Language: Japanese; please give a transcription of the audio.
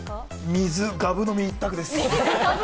水がぶ飲み、一択です。